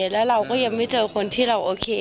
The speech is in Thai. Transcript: แล้วเราก็ยังไม่เจอคนที่เราโอเค